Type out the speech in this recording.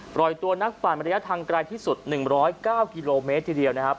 ปล่อยตัวนักปั่นระยะทางไกลที่สุด๑๐๙กิโลเมตรทีเดียวนะครับ